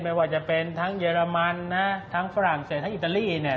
ไม่ว่าจะเป็นทั้งเยอรมันฝรั่งเศรษฐ์อิตาลี